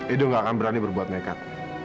ibu gak akan berani berbuat nekat